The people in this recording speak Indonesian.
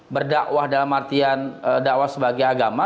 berdakwah dalam artian dakwah sebagai agama